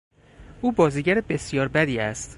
او بازیگر بسیار بدی است.